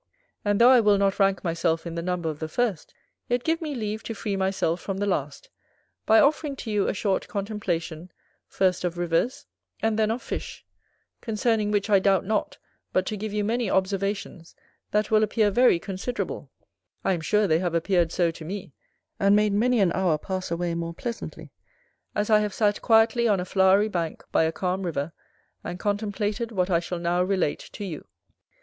And though I will not rank myself in the number of the first, yet give me leave to free myself from the last, by offering to you a short contemplation, first of rivers, and then of fish; concerning which I doubt not but to give you many observations that will appear very considerable: I am sure they have appeared so to me, and made many an hour pass away more pleasantly, as I have sat quietly on a flowery bank by a calm river, and contemplated what I shall now relate to you.